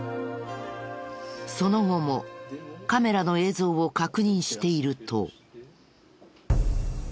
その後もカメラの映像を確認していると。